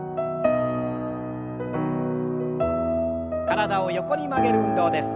体を横に曲げる運動です。